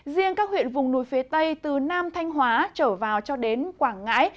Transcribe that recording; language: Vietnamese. riêng các huyện vùng núi phía tây từ nam thanh hóa trở vào cho đến quảng ngãi